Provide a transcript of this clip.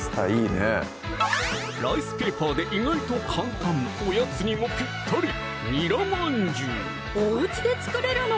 ライスペーパーで意外と簡単おやつにもぴったりおうちで作れるの？